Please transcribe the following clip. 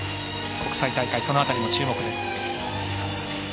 国際大会、その辺りも注目です。